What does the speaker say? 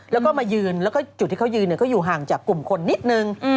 แล้วก็มายืนแล้วก็จุดที่เขายืนก็อยู่ห่างจากกลุ่มคนนิดนึง